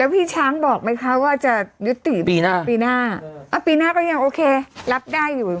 พี่ช้างบอกไหมคะว่าจะยุติปีหน้าปีหน้าปีหน้าก็ยังโอเครับได้อยู่